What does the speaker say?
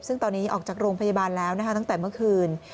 ซึ่งตอนนี้ออกจากโรงพยาบาลแล้วนะคะตั้งแต่เมื่อคืน